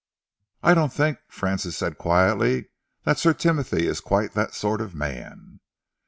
"I don't think," Francis said quietly, "that Sir Timothy is quite that sort of man."